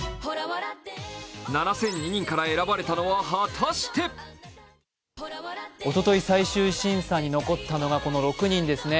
７００２人から選ばれたのは、果たしておととい最終審査に残ったのは、この６人ですね。